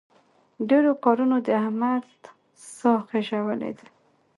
ډېرو کارونو د احمد ساه خېژولې ده.